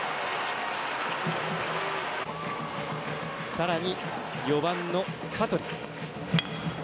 さらに、４番の香取。